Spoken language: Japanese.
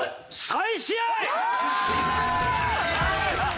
再試合。